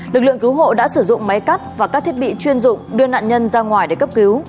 lực lượng cứu hộ đã sử dụng máy cắt và các thiết bị chuyên dụng đưa nạn nhân ra ngoài để cấp cứu